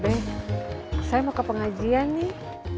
eh saya mau ke pengajian nih